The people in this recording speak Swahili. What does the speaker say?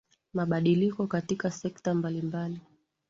mabadiliko katika sekta mbalimbali